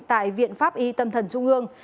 tại viện pháp y tâm thần trung ương